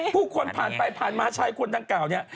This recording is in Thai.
ผู้คนผ่านไปผ่านมาชายคนดังกล่าวเนี่ย